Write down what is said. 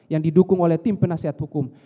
yang didukung oleh tim penasehat hukum